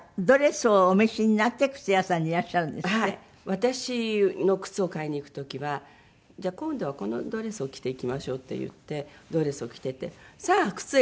私の靴を買いに行く時は「じゃあ今度はこのドレスを着て行きましょう」って言ってドレスを着て行って「さあ靴を選びましょう」。